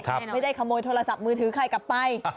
ไม่ได้ขโมยโทรศัพท์มือถือใครกลับไป